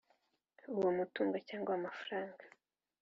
uwo mutungo cyangwa amafaranga